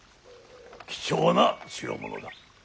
貴重な代物だ。